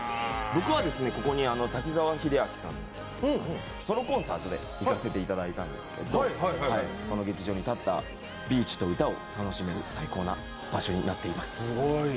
僕はここに滝沢秀明さんのソロコンサートで行かせていただいたんですけどこの劇場に立った、ビーチと歌が楽しめる最高な場所になっています。